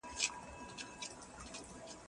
زه پرون درسونه واورېدل